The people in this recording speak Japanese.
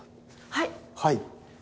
はい。